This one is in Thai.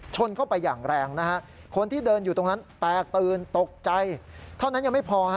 ชนเข้าไปอย่างแรงนะฮะคนที่เดินอยู่ตรงนั้นแตกตื่นตกใจเท่านั้นยังไม่พอฮะ